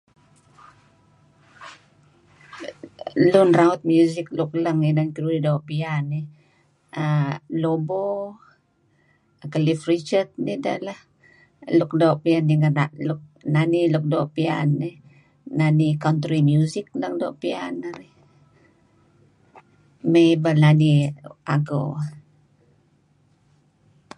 Lun raut music luk leng inan keduih doo' piyan uhm Lobo, Cliff Richard nih tah lah. Nani luk doo' piyan ih nani Country music lang-lang doo' piyan narih. May ibal nani ago.